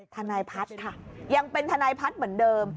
ทนายพัฒน์ค่ะยังเป็นทนายพัฒน์เหมือนเดิม